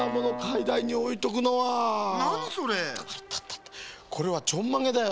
これはちょんまげだよ。